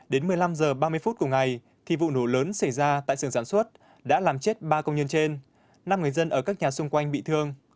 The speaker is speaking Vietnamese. đến một mươi năm h ba mươi phút cùng ngày thì vụ nổ lớn xảy ra tại sườn sản xuất đã làm chết ba công nhân trên năm người dân ở các nhà xung quanh bị thương